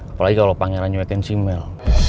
apalagi kalau pangeran nyuekin si mel